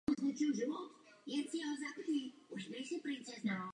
Byl člověkem mnoha řemesel.